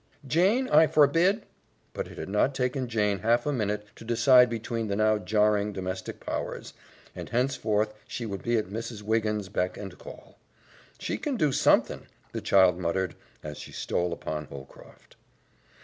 "Jane, I forbid " But it had not taken Jane half a minute to decide between the now jarring domestic powers, and henceforth she would be at Mrs. Wiggins' beck and call. "She can do somethin'," the child muttered, as she stole upon Holcroft.